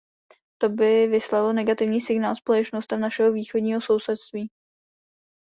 To by vyslalo negativní signál společnostem našeho východního sousedství.